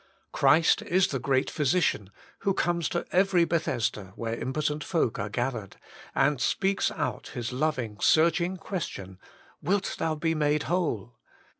Christ is the great Physician, who comes to every Bethesda where impotent folk are gathered, and speaks out His loving, searching question, Wilt thou be made whole